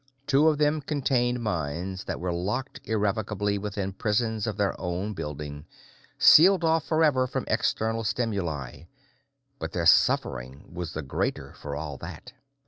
Two of them contained minds that were locked irrevocably within prisons of their own building, sealed off forever from external stimuli, but their suffering was the greater for all that.